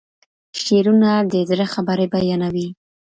شعرونه د زړه خبرې بيانوي.